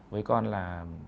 với con là